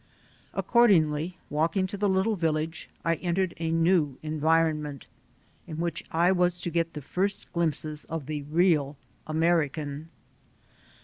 Accordingly, walking to the little village, I entered a new environment, in which I was to get the first glimpses of the real American.